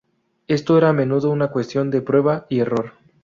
Esto era a menudo una cuestión de prueba y error.